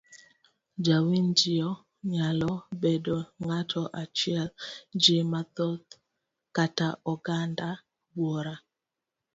Jawinjio nyalo bedo ng'ato achiel, ji mathoth kata oganda buora.